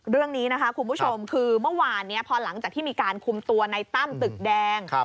เรื่องนี้นะคะคุณผู้ชมคือเมื่อวานนี้พอหลังจากที่มีการคุมตัวในตั้มตึกแดง